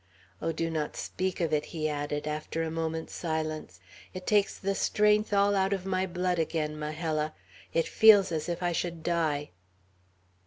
Oh, do not speak of it!" he added, after a moment's silence; "it takes the strength all out of my blood again, Majella. It feels as if I should die!"